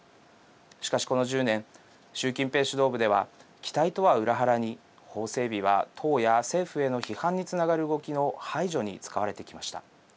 しかし、この１０年習近平指導部では期待とは裏腹に法整備は党や政府への批判につながる動きの排除に使われてきました。